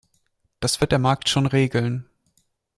Das wird der Markt schon regeln.